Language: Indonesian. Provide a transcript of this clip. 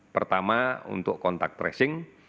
pertama untuk kontak tracing